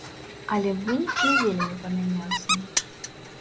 Але вынік не вельмі памяняўся.